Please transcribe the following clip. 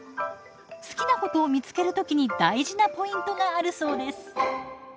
好きなことを見つける時に大事なポイントがあるそうです。